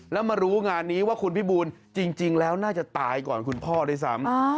แล้วมารู้งานนี้ว่าคุณพี่บูลจริงแล้วน่าจะตายก่อนคุณพ่อด้วยซ้ำ